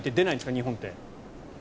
日本って。